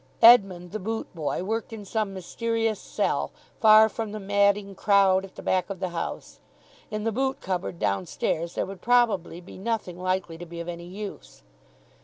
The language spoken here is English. Edmund, the boot boy, worked in some mysterious cell, far from the madding crowd, at the back of the house. In the boot cupboard downstairs there would probably be nothing likely to be of any use.